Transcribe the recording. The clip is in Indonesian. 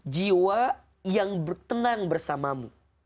jiwa yang tenang bersamamu